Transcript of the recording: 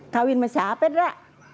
kawin sama siapa dra